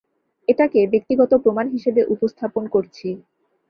এটাকে ব্যক্তিগত প্রমাণ হিসেবে উপস্থাপন করছি।